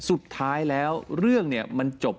สุดท้ายแล้วเรื่องมันจบ